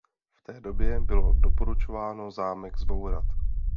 V té době bylo doporučováno zámek zbourat.